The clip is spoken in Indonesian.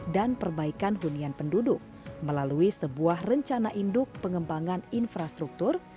dan perbaikan hunian penduduk melalui sebuah rencana induk pengembangan infrastruktur